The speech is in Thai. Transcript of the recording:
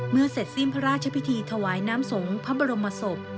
เสร็จสิ้นพระราชพิธีถวายน้ำสงฆ์พระบรมศพ